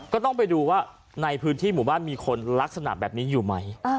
ก็ต้องไปดูว่าในพื้นที่หมู่บ้านมีคนลักษณะแบบนี้อยู่ไหม